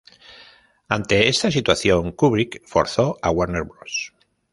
Ante esta situación, Kubrick forzó a Warner Bros.